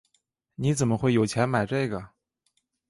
你怎么会有钱买这个？